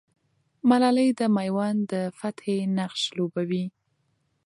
ملالۍ د مېوند د فتحې نقش لوبوي.